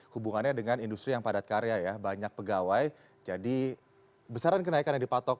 hubungannya dengan industri yang padat karya ya banyak pegawai jadi besaran kenaikan yang dipatok